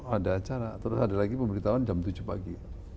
ada acara terus ada lagi pemberitahuan jam tujuh pagi